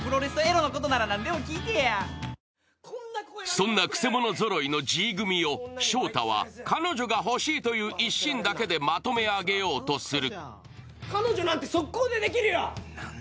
そんなくせ者ぞろいのＧ組を勝太は、彼女が欲しいという一心だけでまとめ上げようとする。